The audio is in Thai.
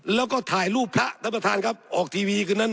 แล้วก็ถ่ายรูปพระท่านประธานครับออกทีวีคืนนั้น